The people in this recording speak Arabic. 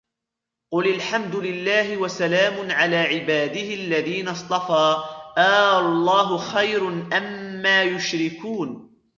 قل الحمد لله وسلام على عباده الذين اصطفى آلله خير أما يشركون